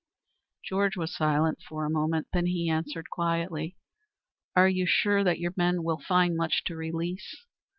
Georg was silent for a moment; then he answered quietly: "Are you sure that your men will find much to release?